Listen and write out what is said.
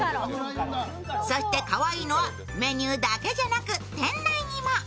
そしてかわいいのはメニューだけじゃなく店内にも。